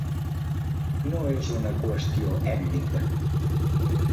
No és una qüestió ètnica.